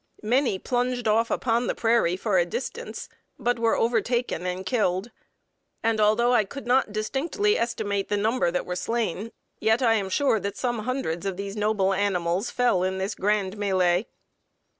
Many plunged off upon the prairie for a distance, but were overtaken and killed, and although I could not distinctly estimate the number that were slain, yet I am sure that some hundreds of these noble animals fell in this grand mêlée.